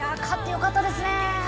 勝ってよかったですね。